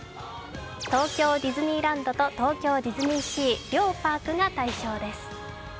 東京ディズニーランドと東京ディズニーシー、両パークが対象です。